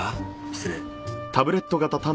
失礼。